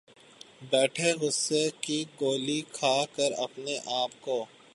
بیٹھے غصے کی گولی کھا کر اپنے آپ کو